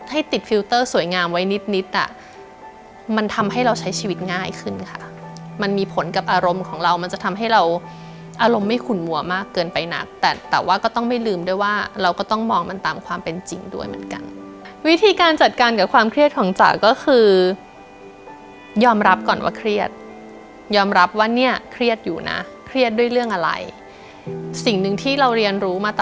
ติดฟิลเตอร์สวยงามไว้นิดนิดอ่ะมันทำให้เราใช้ชีวิตง่ายขึ้นค่ะมันมีผลกับอารมณ์ของเรามันจะทำให้เราอารมณ์ไม่ขุนมัวมากเกินไปนักแต่แต่ว่าก็ต้องไม่ลืมด้วยว่าเราก็ต้องมองมันตามความเป็นจริงด้วยเหมือนกันวิธีการจัดการกับความเครียดของจ๋าก็คือยอมรับก่อนว่าเครียดยอมรับว่าเนี่ยเครียดอยู่นะเครียดด้วยเรื่องอะไรสิ่งหนึ่งที่เราเรียนรู้มาต